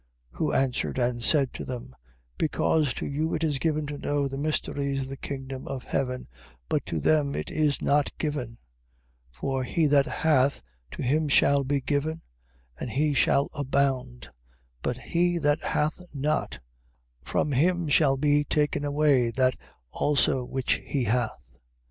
13:11. Who answered and said to them: Because to you it is given to know the mysteries of the kingdom of heaven: but to them it is not given. 13:12. For he that hath, to him shall be given, and he shall abound: but he that hath not, from him shall be taken away that also which he hath.